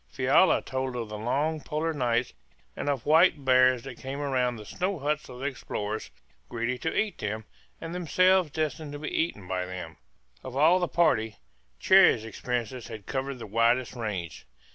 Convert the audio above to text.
Fiala told of the long polar nights and of white bears that came round the snow huts of the explorers, greedy to eat them, and themselves destined to be eaten by them. Of all the party Cherrie's experiences had covered the widest range.